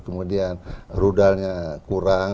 kemudian rudalnya kurang